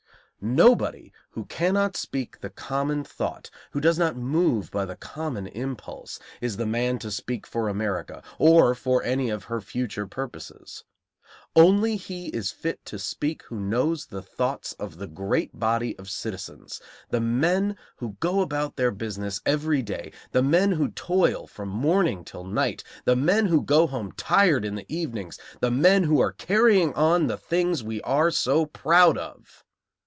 Nobody who cannot speak the common thought, who does not move by the common impulse, is the man to speak for America, or for any of her future purposes. Only he is fit to speak who knows the thoughts of the great body of citizens, the men who go about their business every day, the men who toil from morning till night, the men who go home tired in the evenings, the men who are carrying on the things we are so proud of.